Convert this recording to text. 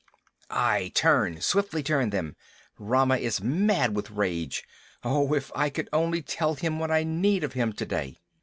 "Ay! Turn. Swiftly turn them! Rama is mad with rage. Oh, if I could only tell him what I need of him to day."